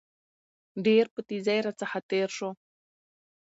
ډېر په تېزى راڅخه تېر شو.